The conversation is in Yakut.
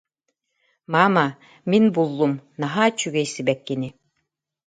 Маама, мин буллум, наһаа үчүгэй сибэккини